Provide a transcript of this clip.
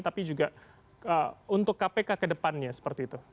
tapi juga untuk kpk kedepannya seperti itu